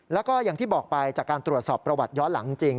แล้วก็อย่างที่บอกไปจากการตรวจสอบประวัติย้อนหลังจริง